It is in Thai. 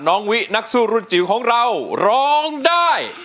วินักสู้รุ่นจิ๋วของเราร้องได้